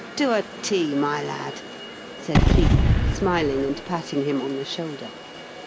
"To a T, my lad," said Cleek, smiling and patting him on the shoulder.